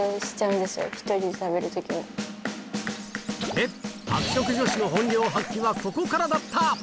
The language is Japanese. でっ、爆食女子の本領発揮はここからだった。